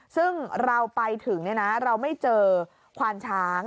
ซึ่งเราไปถึงเราไม่เจอควานช้าง